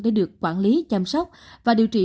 để được quản lý chăm sóc và điều trị